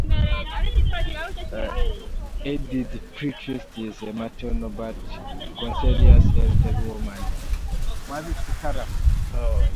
Edith Pritchet is a maternal but censorious elderly woman.